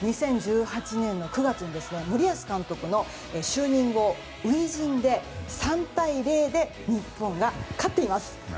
２０１８年の９月に森保監督の就任後初陣で３対０で日本が勝っています。